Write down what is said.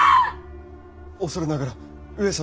恐れながら上様。